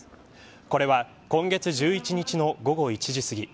これは今月１１日の午後１時すぎ